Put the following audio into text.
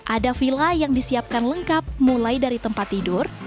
ada villa yang disiapkan lengkap mulai dari tempat tidur